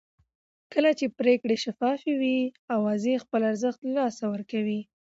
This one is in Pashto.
کله چې پرېکړې شفافې وي اوازې خپل ارزښت له لاسه ورکوي